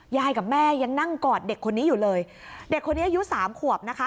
กับแม่ยังนั่งกอดเด็กคนนี้อยู่เลยเด็กคนนี้อายุสามขวบนะคะ